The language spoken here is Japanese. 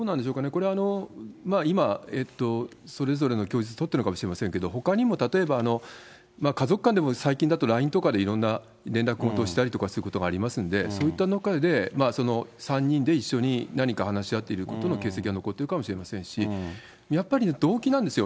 これ、今、それぞれの供述とっているのかもしれませんけれども、ほかにも、例えば家族間でも最近だとＬＩＮＥとかで、いろんな連絡ごとをしたりということもありますんで、そういった中で、３人で一緒に何か話し合っていることの形跡が残ってるかもしれませんし、やっぱり、動機なんですよ。